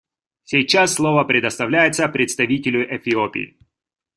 Сейчас слово предоставляется представителю Эфиопии.